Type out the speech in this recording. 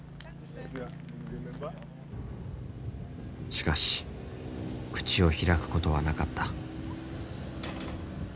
しかし口を開くことはなかった。